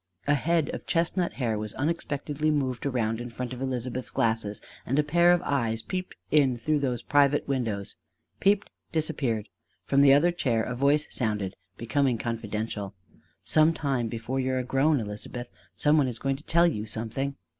A head of chestnut hair was unexpectedly moved around in front of Elizabeth's glasses and a pair of eyes peeped in through those private windows: peeped disappeared. From the other chair a voice sounded, becoming confidential: "Some time before you are grown, Elizabeth, some one is going to tell you something."